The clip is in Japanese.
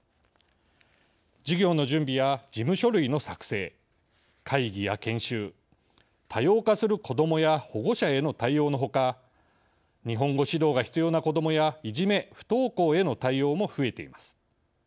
授業の準備や事務書類の作成会議や研修多様化する子どもや保護者への対応のほか日本語指導が必要な子どもやいじめ・不登校への対応も増えています。